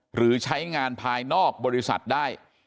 หรือใช้งานภายนอกบริษัทได้